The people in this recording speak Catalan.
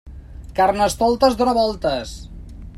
Carnestoltes dóna voltes.